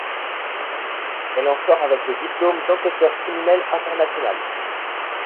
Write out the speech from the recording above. Elle en sort avec le diplôme d'enquêteur criminel international.